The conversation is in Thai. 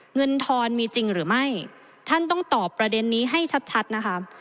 เงินทอนมีจริงหรือไม่ท่านต้องตอบประเด็นนี้ให้ชัดนะคะ